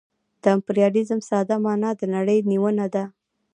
د امپریالیزم ساده مانا د نړۍ نیونه ده